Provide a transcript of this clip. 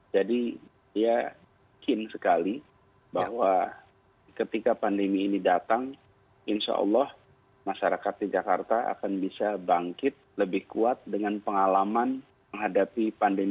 jadi saya yakin sekali bahwa ketika pandemi ini datang insya allah masyarakat di jakarta akan bisa bangkit lebih kuat dengan pengalaman menghadapi pandemi ini